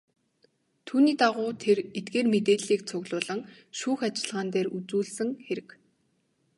Түүний дагуу тэр эдгээр мэдээллийг цуглуулан шүүх ажиллагаан дээр үзүүлсэн хэрэг.